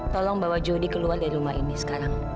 tolong bawa jody keluar dari rumah ini sekarang